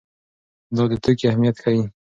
دا د توکي اهميت ښيي.